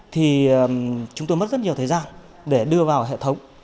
thì chúng tôi mất rất nhiều thời gian để đưa vào hệ thống